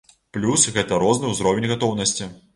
Плюс гэта розны ўзровень гатоўнасці.